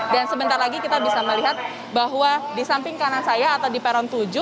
dan sebentar lagi kita bisa melihat bahwa di samping kanan saya atau di peron tujuh